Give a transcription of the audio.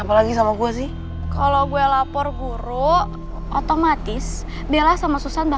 sampai jumpa di video selanjutnya